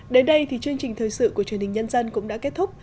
đến đây thì chương trình thời sự của truyền hình nhân dân cũng đã kết thúc